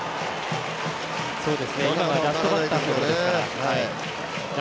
今はラストバッターですから。